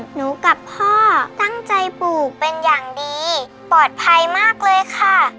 หนูกับพ่อตั้งใจปลูกเป็นอย่างดีปลอดภัยมากเลยค่ะ